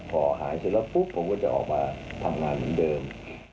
พอหายเสร็จแล้วปุ๊บผมก็จะออกมาทำงานเหมือนเดิม